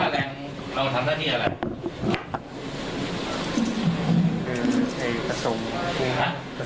เราทำหน้าที่อะไร